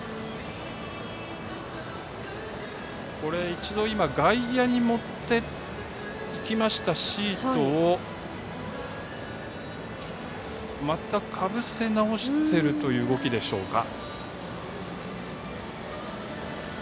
一度、外野に持っていきましたシートをまた、かぶせ直しているという動きでしょうか。